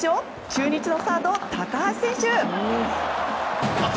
中日のサード、高橋選手。